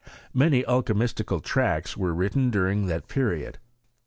Many alchymistical tracts were written during that period.